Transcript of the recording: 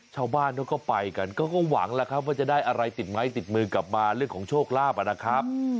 ชาวบ้านเขาก็ไปกันก็หวังแล้วครับว่าจะได้อะไรติดไม้ติดมือกลับมาเรื่องของโชคลาภนะครับ